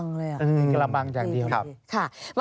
เป็นกระมังเลยนะครับครับครับ